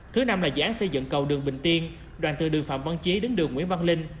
thứ năm là dự án xây dựng cầu đường bình tiên đoàn từ đường phạm văn chí đến đường nguyễn văn linh